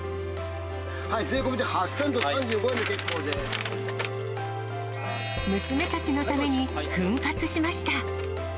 税込みで８０００と３５円で娘たちのために奮発しました。